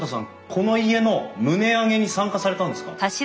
この家の棟上げに参加されたんですか？